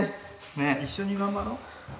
一緒に頑張ろう。